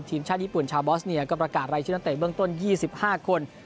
ทีมชาติญี่ปุ่นชาวบอสเนียก็ประกาศรายชื่อนักเตะเบื้องต้น๒๕คน